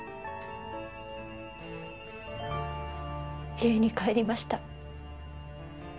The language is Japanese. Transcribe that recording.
家に帰りました。